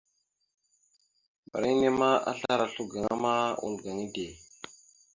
Mbarŋa enne ma, aslara oslo gaŋa ma, wal gaŋa ide.